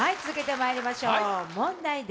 続けてまいりましょう。